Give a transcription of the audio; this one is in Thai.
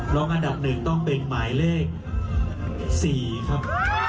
ลองอันดับหนึ่งต้องเป็นหมายเลขสี่ครับ